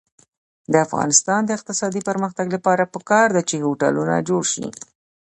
د افغانستان د اقتصادي پرمختګ لپاره پکار ده چې هوټلونه جوړ شي.